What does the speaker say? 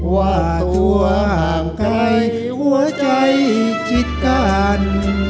ว่าตัวห่างใกล้หัวใจจิตกัน